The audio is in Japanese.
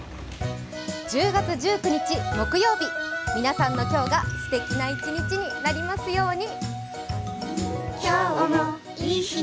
１０月１９日木曜日、皆さんの今日がすてきな一日になりますように。